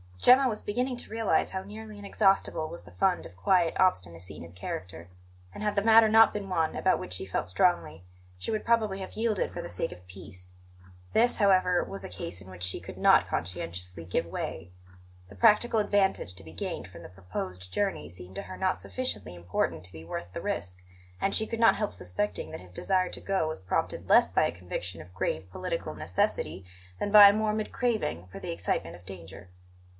Gemma was beginning to realize how nearly inexhaustible was the fund of quiet obstinacy in his character; and, had the matter not been one about which she felt strongly, she would probably have yielded for the sake of peace. This, however, was a case in which she could not conscientiously give way; the practical advantage to be gained from the proposed journey seemed to her not sufficiently important to be worth the risk, and she could not help suspecting that his desire to go was prompted less by a conviction of grave political necessity than by a morbid craving for the excitement of danger.